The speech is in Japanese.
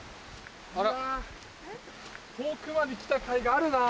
遠くまで来たかいがあるなぁ。